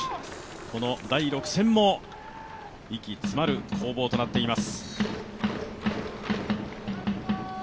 この第６戦も息詰まる攻防となっています。